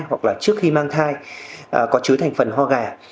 hoặc là trước khi mang thai có chứa thành phần ho gà